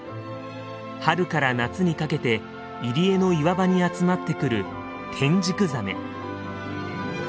春から夏にかけて入り江の岩場に集まってくるテンジクザメ。